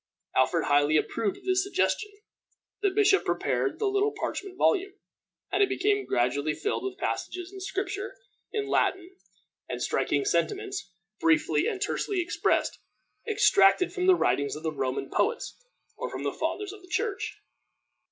Alfred highly approved of this suggestion. The bishop prepared the little parchment volume, and it became gradually filled with passages of Scripture, in Latin, and striking sentiments, briefly and tersely expressed, extracted from the writings of the Roman poets or of the fathers of the Church.